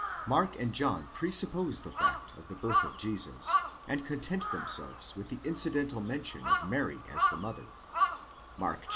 Mark and John presuppose the fact of the birth of Jesus, and content themselves with the incidental mention of Mary as the mother (Mark vi.